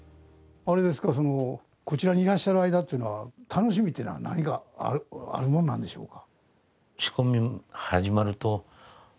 こちらにいらっしゃる間っていうのは楽しみというのは何があるものなんでしょうか？